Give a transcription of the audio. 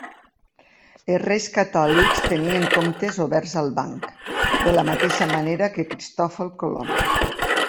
Els Reis Catòlics tenien comptes oberts al Banc, de la mateixa manera que Cristòfol Colom.